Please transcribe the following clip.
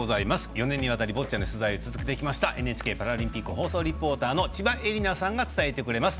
４年にわたりボッチャの取材を続けてきたＮＨＫパラリンピック放送リポーターの千葉絵里菜さんが伝えてくれます。